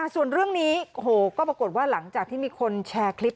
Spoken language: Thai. ส่วนเรื่องนี้โอ้โหก็ปรากฏว่าหลังจากที่มีคนแชร์คลิป